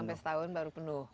sampai setahun baru penuh